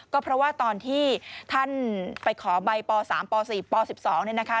ก็เพราะว่าตอนที่ท่านไปขอใบป๓ป๔ป๑๒เนี่ยนะคะ